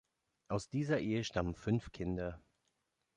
Aus dieser Ehe stammen fünf Kinder.